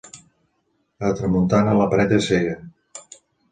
A tramuntana la paret és cega.